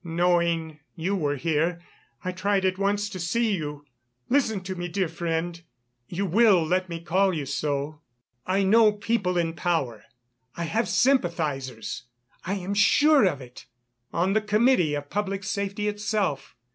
Knowing you were here, I tried at once to see you. Listen to me, dear friend ... you will let me call you so?... I know people in power; I have sympathizers, I am sure of it, on the Committee of Public Safety itself.